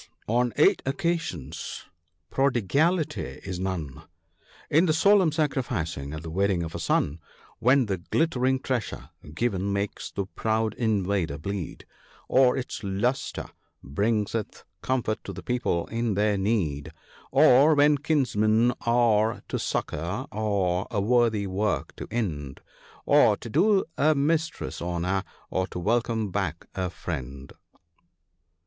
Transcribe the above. on eight occasions prodigality is none — In the solemn sacrificing, at the wedding of a son, When the glittering treasure given makes the proud invader bleed, Or its lustre bringeth comfort to the people in their need, Or when kinsmen are to succour, or a worthy work to end, Or to do a mistress honour, or to welcome back a friend."